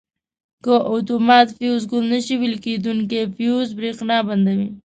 خو که اتومات فیوز ګل نه شي ویلې کېدونکي فیوز برېښنا بندوي.